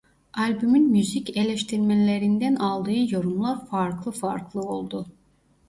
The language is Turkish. Albümün müzik eleştirmenlerinden aldığı yorumlar farklı farklı oldu.